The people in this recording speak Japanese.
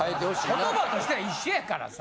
言葉としては一緒やからさ。